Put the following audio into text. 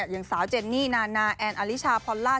อย่างสาวเจนนี่นานาแอนอลิชาพอลล่า